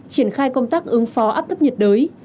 triển khai công tác ứng phó áp thấp nhiệt đới